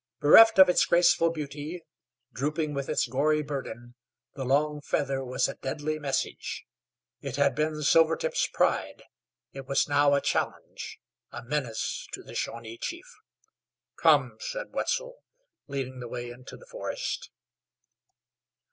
Bereft of its graceful beauty, drooping with its gory burden, the long leather was a deadly message. It had been Silvertip's pride; it was now a challenge, a menace to the Shawnee chief. "Come," said Wetzel, leading the way into the forest.